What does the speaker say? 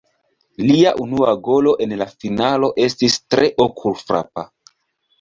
Lia unua golo en la finalo estis tre okul-frapa.